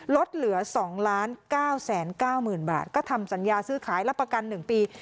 ลดเหลือสองล้านเก้าแสนเก้าหมื่นบาทก็ทำสัญญาซื้อขายรับประกันหนึ่งปี